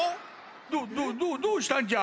どどどどうしたんじゃ？